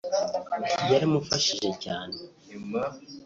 yaramufashije cyane